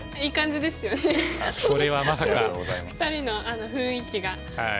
２人の雰囲気が。